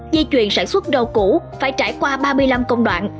dây chuyền sản xuất rau cũ phải trải qua ba mươi năm công đoạn